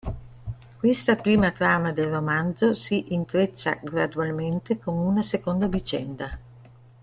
Questa prima trama del romanzo si intreccia gradualmente con una seconda vicenda.